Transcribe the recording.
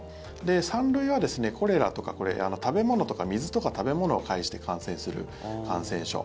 ３類はコレラとか水とか食べ物を介して感染する感染症。